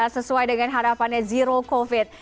sesuai dengan harapannya zero covid